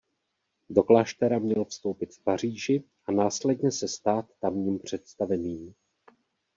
Do kláštera měl vstoupit v Paříži a následně se stát tamním představeným.